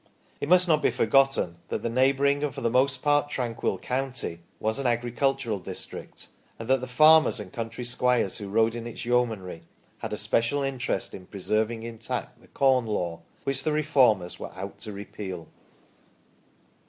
It must not be forgotten that the " neighbouring and for the most part tranquil county " was an agricultural district ; and that the farmers and country squires who rode in its yeomanry had a special interest in preserving intact the Corn Law, which the Reformers were out to repeal.